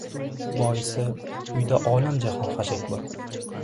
Boisi, uyda olam-jahon xashak bor.